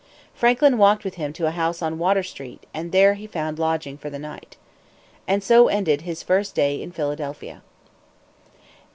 Franklin walked with him to a house on Water street, and there he found lodging for the night. And so ended his first day in Philadelphia.